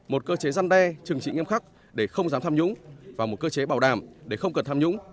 một cơ chế gian đe chừng trị nghiêm khắc để không dám tham nhũng và một cơ chế bảo đảm để không cần tham nhũng